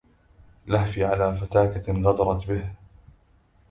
لهفي على فتاكة غدرت بها